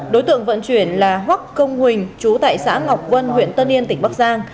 đối tượng vận chuyển là hoác công huỳnh chú tại xã ngọc vân huyện tân yên tỉnh bắc giang